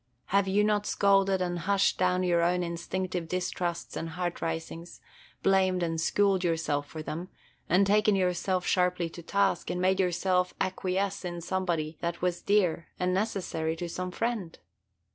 Have you not scolded and hushed down your own instinctive distrusts and heart risings, blamed and schooled yourself for them, and taken yourself sharply to task, and made yourself acquiesce in somebody that was dear and necessary to some friend?